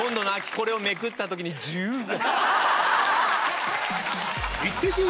これをめくったときに１０月！